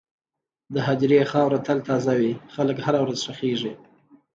د هدیرې خاوره تل تازه وي، خلک هره ورځ ښخېږي.